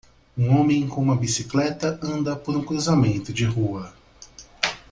Um homem com uma bicicleta anda por um cruzamento de rua.